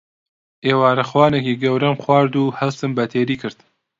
ئێوارەخوانێکی گەورەم خوارد و هەستم بە تێری کرد.